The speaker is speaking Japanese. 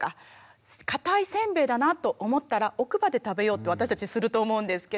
かたいせんべいだなと思ったら奥歯で食べようって私たちすると思うんですけれども。